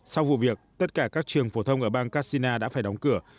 sau vụ việc tất cả các trường phổ thông ở bang kassina đã phải đóng cửa